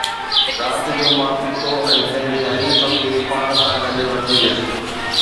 رات جو، مان پيتو ۽ پنهنجي حریف کي پاڻ سان گڏ وٺي ويس